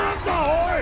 おい！